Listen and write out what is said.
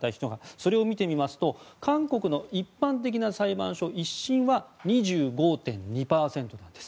それを見てみますと韓国の一般的な裁判所１審は２５．２％なんです。